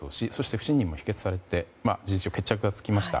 不信任も否決されて事実上の決着がつきました。